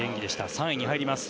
３位に入ります。